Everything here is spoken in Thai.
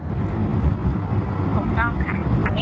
ถูกต้องค่ะ